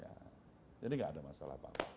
jadi tidak ada masalah pak